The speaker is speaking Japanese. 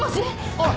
おい！